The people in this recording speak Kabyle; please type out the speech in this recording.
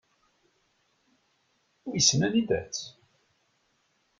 Wissen anida-tt?